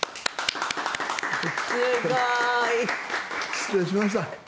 失礼しました。